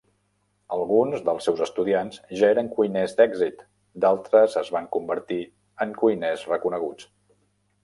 Alguns dels seus estudiants ja eren cuiners d'èxit; d'altres es van convertir en cuiners reconeguts.